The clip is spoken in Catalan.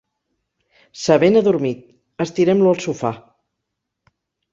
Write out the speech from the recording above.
S'ha ben adormit: estirem-lo al sofà.